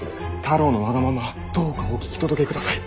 太郎のわがままどうかお聞き届けください。